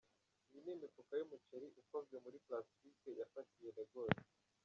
Iyi ni imifuka y'umuceri ukozwe muri plastique yafatiwe Lagos.